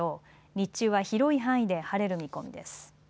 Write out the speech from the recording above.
日中は広い範囲で晴れる見込みです。